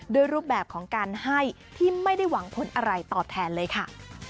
รูปแบบของการให้ที่ไม่ได้หวังผลอะไรตอบแทนเลยค่ะ